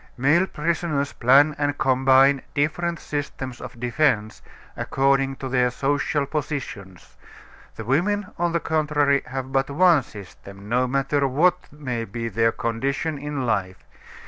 Male prisoners plan and combine different systems of defense according to their social positions; the women, on the contrary, have but one system, no matter what may be their condition in life.